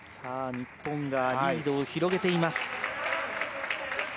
日本がリードを広げています。